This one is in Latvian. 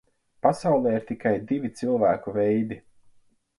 Pasaulē ir tikai divi cilvēku veidi.